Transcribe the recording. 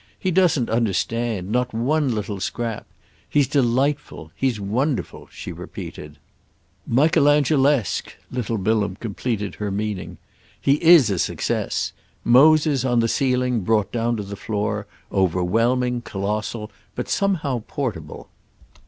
He doesn't understand—not one little scrap. He's delightful. He's wonderful," she repeated. "Michelangelesque!"—little Bilham completed her meaning. "He is a success. Moses, on the ceiling, brought down to the floor; overwhelming, colossal, but somehow portable."